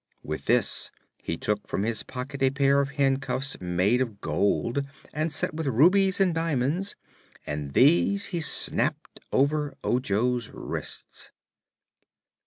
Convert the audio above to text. With this he took from his pocket a pair of handcuffs made of gold and set with rubies and diamonds, and these he snapped over Ojo's wrists.